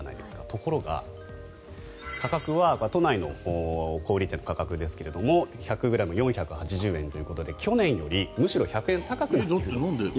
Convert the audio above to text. ところが、価格は都内の小売店の価格ですが１００ｇ４８０円ということで去年よりむしろ１００円高くなっていると。